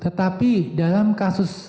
tetapi dalam kasus